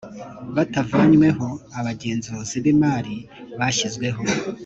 batavanyweho abagenzuzi b imari bashyizweho